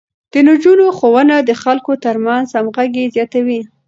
د نجونو ښوونه د خلکو ترمنځ همغږي زياتوي.